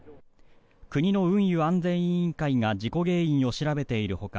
国の運輸安全委員会が事故原因を調べている他